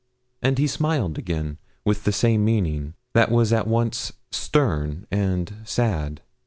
And he smiled again, with the same meaning, that was at once stern and sad.